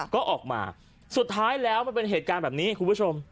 ก็ออกมาสุดท้ายแล้วมันเป็นเหตุการณ์แบบนี้คุณผู้ชม